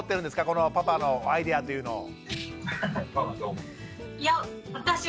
このパパのアイデアというのを。